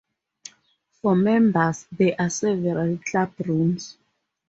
For members there are several club rooms.